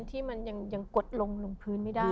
ที่มันยังกดลงพื้นไม่ได้